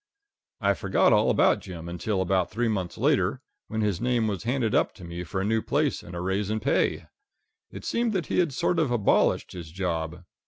I forgot all about Jim until about three months later, when his name was handed up to me for a new place and a raise in pay. It seemed that he had sort of abolished his job.